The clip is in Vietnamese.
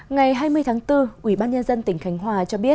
ngày hai mươi tháng bốn ủy ban nhân dân tỉnh khánh hòa cho biết